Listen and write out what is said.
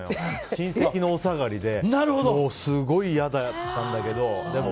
親戚のおさがりですごい嫌だったんだけど。